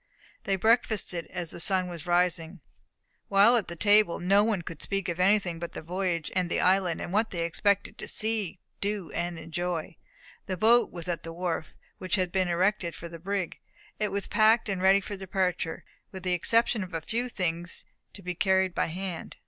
They breakfasted as the sun was rising. While at table no one could speak of anything but the voyage and the island, and what they expected to see, do, and enjoy. The boat was at the wharf, which had been erected for the brig. It was packed, and ready for departure, with the exception of a few things to be carried by hand.